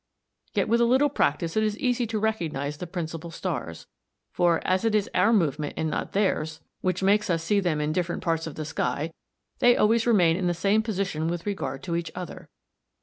Yet with a little practice it is easy to recognise the principal stars, for, as it is our movement and not theirs which makes us see them in different parts of the sky, they always remain in the same position with regard to each other.